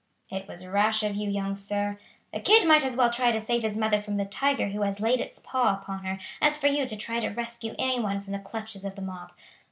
"It was rash of you, young sir. A kid might as well try to save his mother from the tiger who has laid its paw upon her as for you to try to rescue any one from the clutches of the mob.